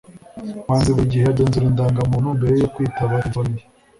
manzi buri gihe agenzura indangamuntu mbere yo kwitaba terefone ye